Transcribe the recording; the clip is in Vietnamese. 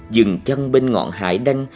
dừng chân bên ngọn hải đanh